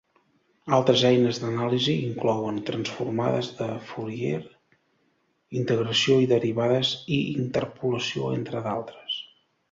Altres eines d'anàlisi inclouen transformades de Fourier, integració i derivades i interpolació entre d'altres.